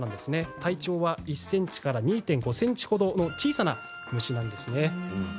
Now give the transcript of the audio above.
体長は１ｃｍから２．５ｃｍほどの小さな虫なんです。